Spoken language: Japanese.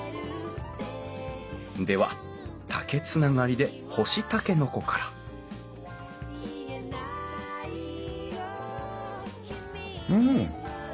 では竹つながりで干しタケノコからうん！